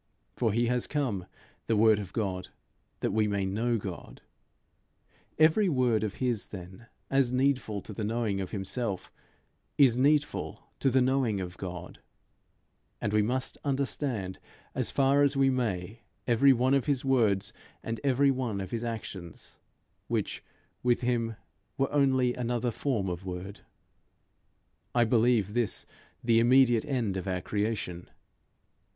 For he has come, The Word of God, that we may know God: every word of his then, as needful to the knowing of himself, is needful to the knowing of God, and we must understand, as far as we may, every one of his words and every one of his actions, which, with him, were only another form of word. I believe this the immediate end of our creation.